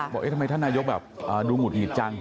บอกทำไมท่านนายกแบบดูหงุดหงิดจัง